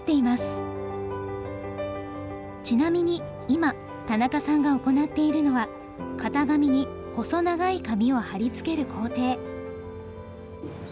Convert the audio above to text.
ちなみに今田中さんが行っているのは型紙に細長い紙を貼り付ける工程。